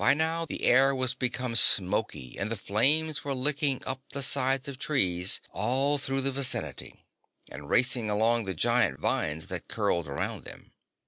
By now, the air was becoming smoky and the flames were licking up the sides of trees all through the vicinity, and racing along the giant vines that curled around them.